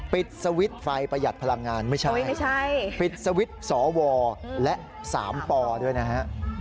ปิดสวิตช์ไฟประหยัดพลังงานไม่ใช่ปิดสวิตช์สวและ๓ปด้วยนะฮะ